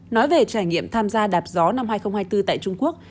nói về trải nghiệm tham gia đạp gió năm hai nghìn hai mươi bốn tại trung quốc